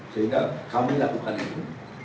sehingga kami lakukan ini